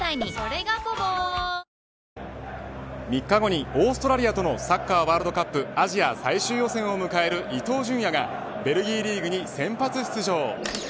３日後にオーストラリアとのサッカーワールドカップアジア最終予選を迎える伊東純也がベルギーリーグに先発出場。